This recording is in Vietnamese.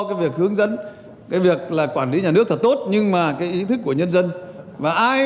cái việc hướng dẫn cái việc là quản lý nhà nước thật tốt nhưng mà cái ý thức của nhân dân và ai